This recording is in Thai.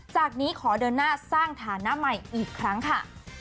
จากนี้ขอเดินหน้าสร้างฐานะใหม่อีกครั้งค่ะ